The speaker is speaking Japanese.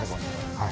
はい。